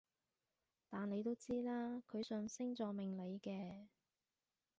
但你都知啦，佢信星座命理嘅